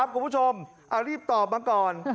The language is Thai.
คุณผู้ชมรีบตอบมาก่อน